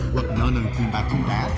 hoặc nợ lần phiền bạc không trả